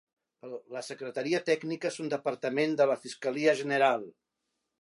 La secretaria tècnica és un departament de la Fiscalia General.